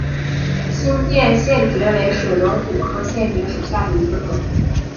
新店线蕨为水龙骨科线蕨属下的一个种。